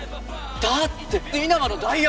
だって稲葉の代役を。